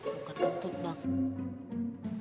bukan bentuk banget